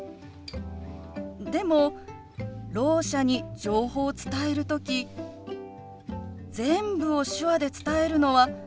でもろう者に情報を伝える時全部を手話で伝えるのは難しいと思うの。